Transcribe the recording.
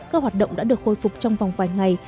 các hoạt động đã được khôi phục trong vòng vài ngày